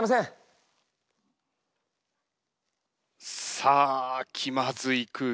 さあ気まずい空気。